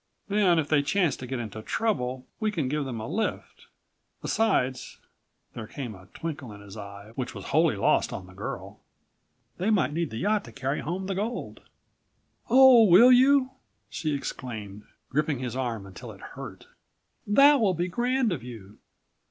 Then if they chance to get into trouble, we can give them a lift. Besides," there came a twinkle in his eye, which was wholly lost on the girl, "they might need the yacht to carry home the gold." "Oh, will you?" she exclaimed, gripping his arm until it hurt. "That will be grand of you.